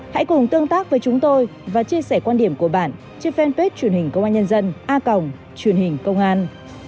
hãy cùng tương tác với chúng tôi và chia sẻ quan điểm của bạn trên fanpage truyền hình công an nhân dân a g truyền hình công an